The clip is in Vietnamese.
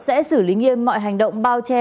sẽ xử lý nghiêm mọi hành động bao che